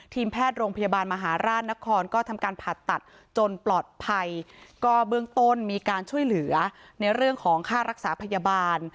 ทีมแพทย์โรงพยาบาลมหาราชนครก็ทำการผ่าตัดจนปลอดภัยก็เบื้องต้นมีการช่วยเหลือในเรื่องของค่ารักษาพยาบาล